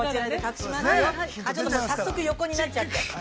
早速、横になっちゃって。